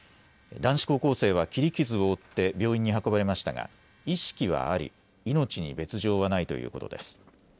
男子高校生は切り傷を負って病院に運ばれましたが意識はあり命に別状はないということです。